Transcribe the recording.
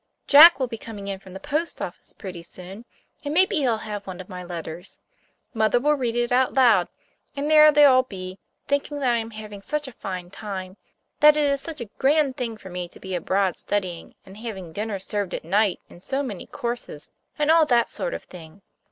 Jack will be coming in from the post office pretty soon, and maybe he'll have one of my letters. Mother will read it out loud, and there they'll all be, thinking that I am having such a fine time; that it is such a grand thing for me to be abroad studying, and having dinner served at night in so many courses, and all that sort of thing.